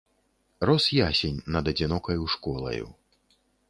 Рос ясень над адзінокаю школаю.